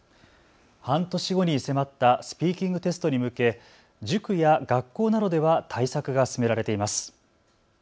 半年後に迫ったスピーキングテストに向け塾や学校などでは対策が進められています。